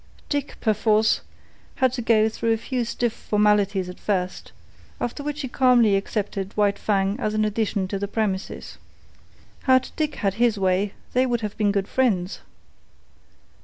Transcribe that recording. Dick, perforce, had to go through a few stiff formalities at first, after which he calmly accepted White Fang as an addition to the premises. Had Dick had his way, they would have been good friends.